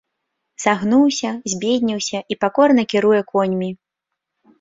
Сагнуўся, збедніўся і пакорна кіруе коньмі.